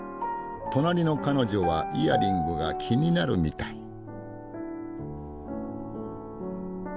隣の彼女はイヤリングが気になるみたい。